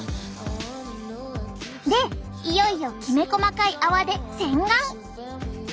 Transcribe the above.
でいよいよきめ細かい泡で洗顔。